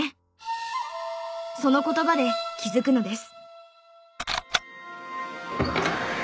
その言葉で気づくのです。